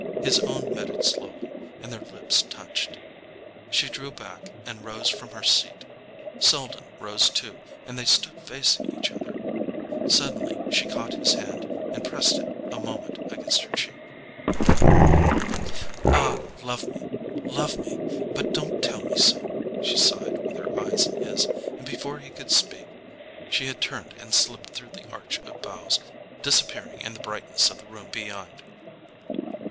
His own met it slowly, and their lips touched. She drew back and rose from her seat. Selden rose too, and they stood facing each other. Suddenly she caught his hand and pressed it a moment against her cheek. "Ah, love me, love me—but don't tell me so!" she sighed with her eyes in his; and before he could speak she had turned and slipped through the arch of boughs, disappearing in the brightness of the room beyond.